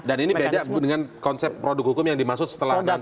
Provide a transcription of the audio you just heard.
dan ini beda dengan konsep produk hukum yang dimaksud setelah nanti